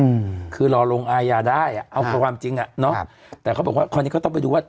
อืมคือรอลงอายาได้อ่ะเอาความจริงอ่ะเนอะครับแต่เขาบอกว่าคราวนี้ก็ต้องไปดูว่า